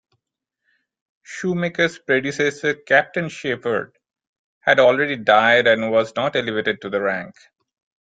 Shoemaker's predecessor, Captain Shepard, had already died and was not elevated to the rank.